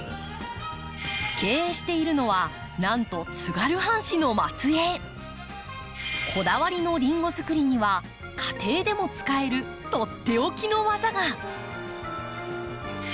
経営しているのはなんとこだわりのリンゴづくりには家庭でも使えるとっておきのわざが！